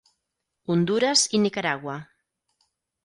Hondures i Nicaragua.